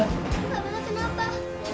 enggak bella kenapa